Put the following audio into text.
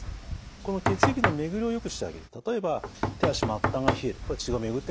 この血液の巡りをよくしてあげる例えば手足末端が冷えるこれは血が巡ってませんよね。